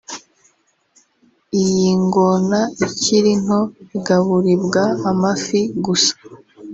Iyi ngona ikiri nto igaburibwa amafi gusa